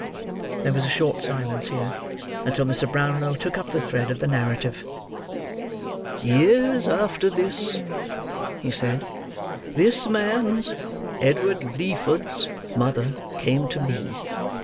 There was a short silence here, until Mr. Brownlow took up the thread of the narrative. "Years after this," he said, "this man's—Edward Leeford's—mother came to me.